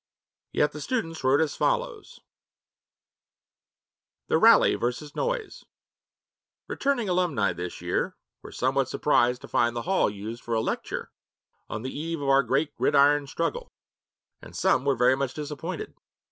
Yet the students wrote as follows: v 'THE RALLY vs. NOYES 'Returning alumni this year were somewhat surprised to find the Hall used for a lecture on the eve of our great gridiron struggle, and some were very much disappointed.